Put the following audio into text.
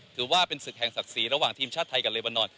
ถือว่าเป็นศึกแห่งศักดิ์ศรีระหว่างทีมชาติไทยกับเลบานอน